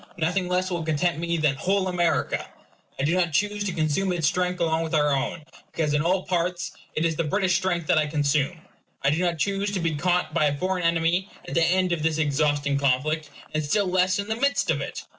Nothing less will content me than WHOLE AMERICA. I do not choose to consume its strength along with our own, because in all parts it is the British strength that I consume. I do not choose to be caught by a foreign enemy at the end of this exhausting conflict; and still less in the midst of it.